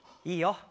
いいよ